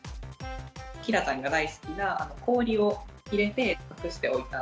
キラちゃんが大好きな氷を入れて、隠しておいた。